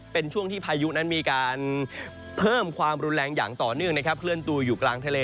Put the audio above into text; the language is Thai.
เป็นช่วงที่พายุนั้นมีการเพิ่มความรุนแรงอย่างต่อเนื่องนะครับเคลื่อนตัวอยู่กลางทะเล